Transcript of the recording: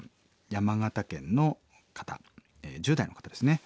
山形県の方１０代の方ですね。